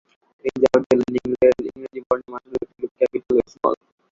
তিনি জবাব দিলেন, ইংরেজি বর্ণের মাত্র দুটি রূপ ক্যাপিটাল ও স্মল।